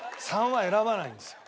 ３は選ばないんですよ